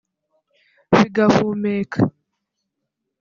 bigahumeka